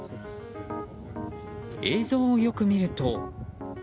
映像をよく見ると。